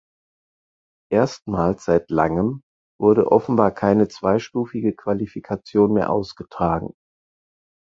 Erstmals seit langem wurde offenbar keine zweistufige Qualifikation mehr ausgetragen.